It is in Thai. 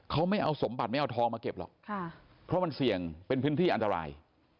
เขาไม่เอาสมบัติไม่เอาทองมาเก็บหรอกเพราะมันเสี่ยงเป็นพื้นที่อันตราย